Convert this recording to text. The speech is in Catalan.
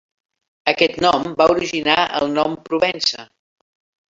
Aquest nom va originar el nom Provença.